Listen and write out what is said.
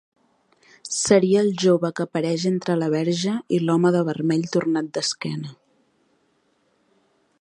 Seria el jove que apareix entre la Verge i l'home de vermell tornat d'esquena.